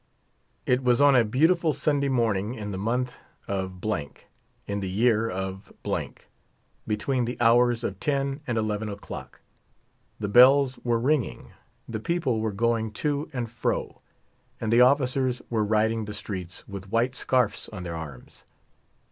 It was on a beautiful Sunday morning in the month of , in the year of , between the hours of 10 and 11 o'clock. The bells were ringing; the people were going to and fro, and the officers were riding the streets with white scarfs on their arms.